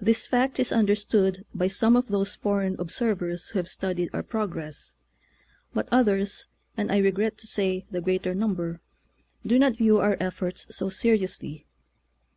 This fact is understood by some of those foreign observers who have studied our progress; but others, and I regret to say the greater number, do not view our efforts so seri ously.